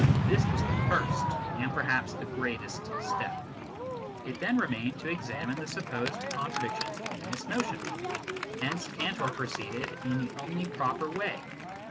This was the first and perhaps the greatest step. It then remained to examine the supposed contradictions in this notion. Here Cantor proceeded in the only proper way.